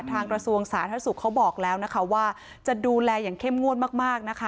กระทรวงสาธารณสุขเขาบอกแล้วนะคะว่าจะดูแลอย่างเข้มงวดมากนะคะ